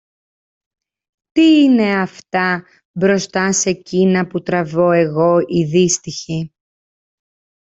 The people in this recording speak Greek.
Τι είναι αυτά μπροστά σε κείνα που τραβώ εγώ, η δύστυχη!